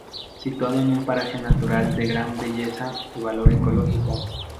Situado en un paraje natural de gran belleza y valor ecológico.